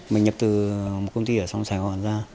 mình nhập từ một công ty ở sông sài gòn ra